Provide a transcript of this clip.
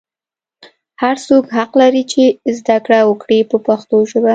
هر څوک حق لري چې زده کړه وکړي په پښتو ژبه.